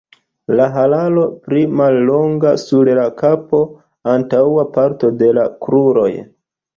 La hararo pli mallonga sur la kapo, antaŭa parto de la kruroj.